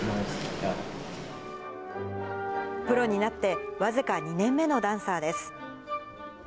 プロになって僅か２年目のダンサーです。